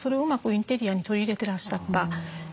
インテリアに取り入れてらっしゃった。